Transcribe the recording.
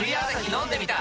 飲んでみた！